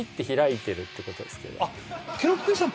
ケロッピーさん